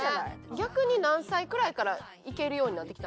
逆に何歳くらいからいけるようになってきた？